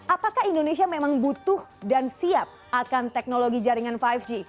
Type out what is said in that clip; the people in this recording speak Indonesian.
apakah indonesia memang butuh dan siap akan teknologi jaringan lima g